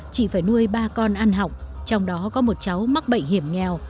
chị phải nuôi ba con ăn học trong đó có một cháu mắc bệnh hiểm nghèo